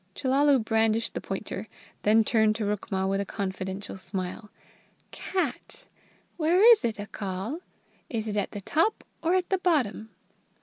Chellalu brandished the pointer, then turned to Rukma with a confidential smile, "Cat? Where is it, Accal? Is it at the top or at the bottom?"